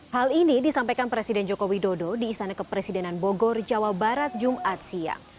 hal ini disampaikan presiden joko widodo di istana kepresidenan bogor jawa barat jumat siang